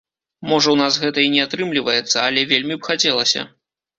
Можа ў нас гэта і не атрымліваецца, але вельмі б хацелася.